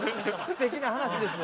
すてきな話です。